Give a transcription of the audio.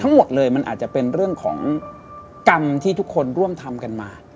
ทั้งหมดเลยมันอาจจะเป็นเรื่องของกรรมที่ทุกคนร่วมทำกันมา